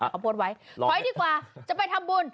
เขาโพสต์ไว้ถอยดีกว่าจะไปทำบุญ